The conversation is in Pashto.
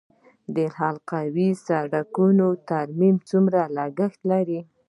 د حلقوي سړک ترمیم څومره لګښت لري؟